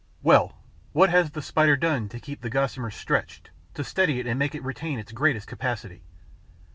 Well, what has the Spider done to keep the gossamer stretched, to steady it and to make it retain its greatest capacity?